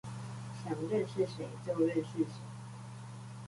想認識誰就認識誰